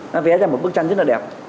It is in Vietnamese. nó vẽ ra một bức tranh rất là đẹp